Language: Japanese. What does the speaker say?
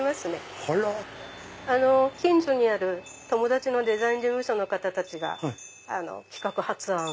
近所にある友達のデザイン事務所の方たちが企画・発案。